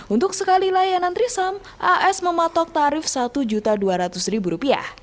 untuk sekali layanan trisam as mematok tarif rp satu dua ratus